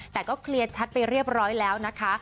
แต่ก็เคลียร์ชัดไปเรียบร้อยแล้วนะคะ